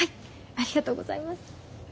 ありがとうございます。